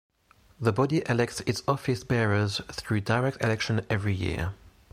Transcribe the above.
The body elects its office bearers through direct election every year.